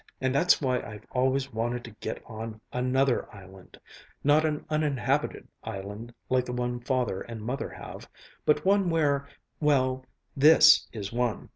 And that's why I've always wanted to get on another island not an uninhabited island, like the one Father and Mother have but one where well, this is one!"